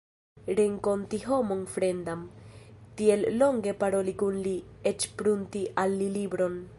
Renkonti homon fremdan, tiel longe paroli kun li, eĉ prunti al li libron!